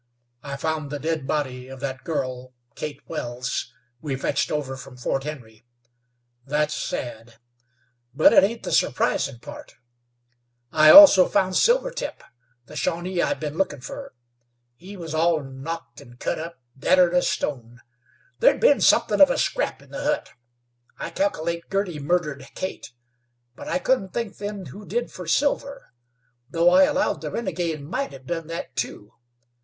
I found the dead body of that girl, Kate Wells, we fetched over from Fort Henry. Thet's sad, but it ain't the surprisin' part. I also found Silvertip, the Shawnee I've been lookin' fer. He was all knocked an' cut up, deader'n a stone. There'd been somethin' of a scrap in the hut. I calkilate Girty murdered Kate, but I couldn't think then who did fer Silver, though I allowed the renegade might hev done thet, too.